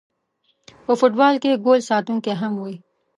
په فوټبال کې ګول ساتونکی هم وي